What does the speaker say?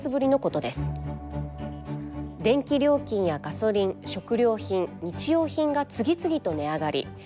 電気料金やガソリン食料品日用品が次々と値上がり。